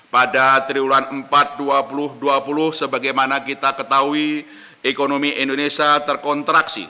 pada triwulan empat dua ribu dua puluh sebagaimana kita ketahui ekonomi indonesia terkontraksi